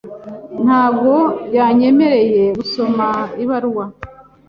Ntabwo yanyemereye gusoma ibaruwa .